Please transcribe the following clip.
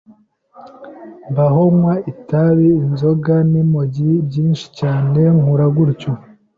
mbaho nywa itabi, inzoga n’imogi nyinshi cyane nkura ntyo